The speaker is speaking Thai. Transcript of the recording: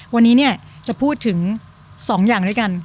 วันนี้เนี่ยจะพูดถึง๒อย่างด้วยกัน